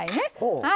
はい。